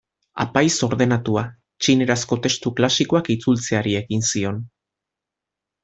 Apaiz ordenatua, txinerazko testu klasikoak itzultzeari ekin zion.